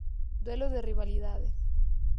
Duelo de rivalidade.